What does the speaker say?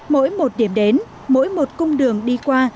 mỗi một điểm đến mỗi một cung đường đi qua